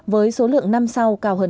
với số lượng năm sau cao hơn một